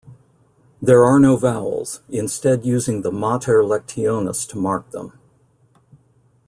There are no vowels, instead using the mater lectionis to mark them.